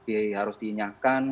yang harus diinyahkan